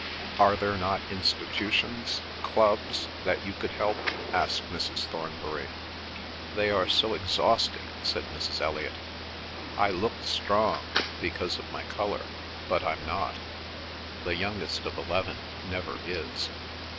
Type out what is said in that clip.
"Are there not institutions—clubs—that you could help?" asked Mrs. Thornbury. "They are so exhausting," said Mrs. Elliot. "I look strong, because of my colour; but I'm not; the youngest of eleven never is."